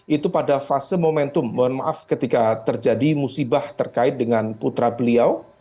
itu pada fase momentum mohon maaf ketika terjadi musibah terkait dengan putra beliau